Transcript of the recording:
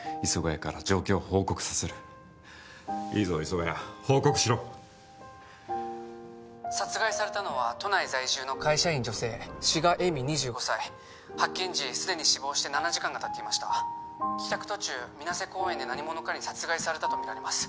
谷から状況を報告させるいいぞ磯ヶ谷報告しろ殺害されたのは都内在住の会社員女性志賀恵美２５歳発見時すでに死亡して７時間がたっていました帰宅途中みなせ公園で何者かに殺害されたとみられます